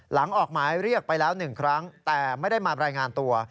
ออกหมายเรียกไปแล้ว๑ครั้งแต่ไม่ได้มารายงานตัว